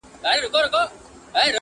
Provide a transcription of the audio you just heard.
پر ازل مي غم امیر جوړ کړ ته نه وې؛